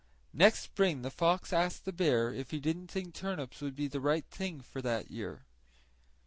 Next spring the fox asked the bear if he didn't think turnips would be the right thing for that year.